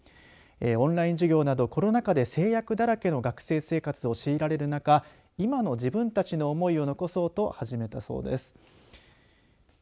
オンライン授業などコロナ禍で制約だらけの学生生活を強いられる中今の自分たちの思いを残そうと始めたそうです。